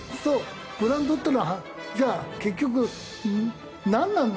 ブランドっていうのはじゃあ結局なんなんだ？